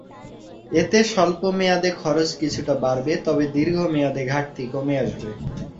এতে স্বল্প মেয়াদে খরচ কিছুটা বাড়বে, তবে দীর্ঘ মেয়াদে ঘাটতি কমে আসবে।